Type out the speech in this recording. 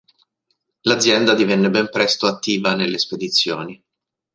L'azienda divenne ben presto attiva nelle spedizioni.